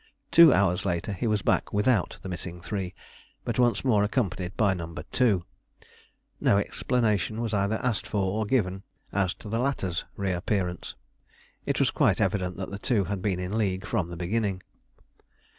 Two hours later he was back without the missing three, but once more accompanied by No. 2. No explanation was either asked for or given as to the latter's reappearance: it was quite evident that the two had been in league from the beginning.